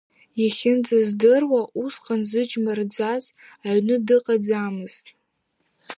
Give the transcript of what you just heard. Иахьынӡаздыруа, усҟан зыџьма рӡаз аҩны дыҟаӡамызт.